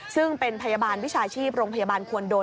ซึ่งเป็นพยาบาลวิชาชีพโรงพยาบาลควรโดน